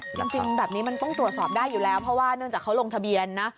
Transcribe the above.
จริงแบบนี้มันต้องตรวจสอบได้อยู่แล้วเพราะว่าเนื่องจากเขาลงทะเบียนนะ